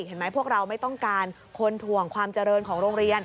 เห็นไหมพวกเราไม่ต้องการคนถ่วงความเจริญของโรงเรียน